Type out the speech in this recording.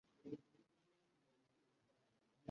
Yoweri Kaguta Museveni ndetse ko yavukiye mu Rwanda